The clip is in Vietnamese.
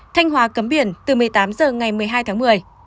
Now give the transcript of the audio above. thanh hóa cấm biển từ một mươi tám h ngày một mươi hai tháng một mươi